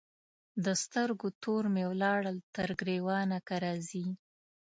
د سترګو تور مي ولاړل تر ګرېوانه که راځې